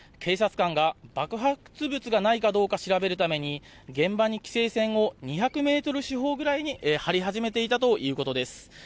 そして警察官が爆発物がないかどうか調べるために現場に規制線を２００メートル四方くらいに張り始めていたということです。